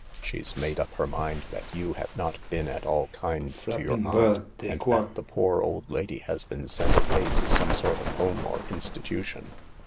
She's made up her mind that you have not been at all kind to your aunt, and that the poor old lady has been sent away to some sort of home or institution."